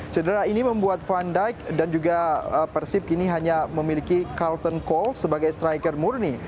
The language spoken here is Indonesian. cedera ini membuat van dijk dan juga persib kini hanya memiliki carlton cole sebagai striker murni